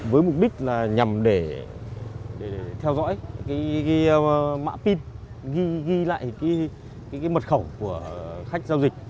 với mục đích là nhằm để theo dõi mã pin ghi lại mật khẩu của khách giao dịch